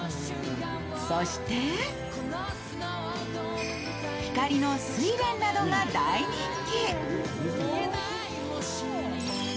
そして光のすいれんなどが大人気。